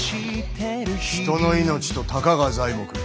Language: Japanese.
人の命とたかが材木。